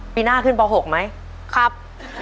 ปีหน้าขึ้นป๖ไหมครับ